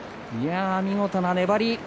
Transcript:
見事な粘り。